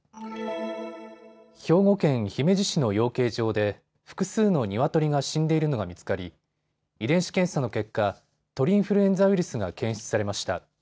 兵庫県姫路市の養鶏場で複数のニワトリが死んでいるのが見つかり遺伝子検査の結果、鳥インフルエンザウイルスが検出されました。